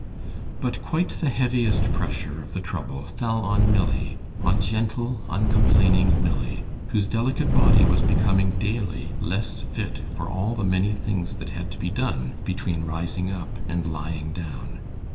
But quite the heaviest pressure of the trouble fell on Milly on gentle, uncomplaining Milly whose delicate body was becoming daily less fit for all the many things that had to be done between rising up and lying down.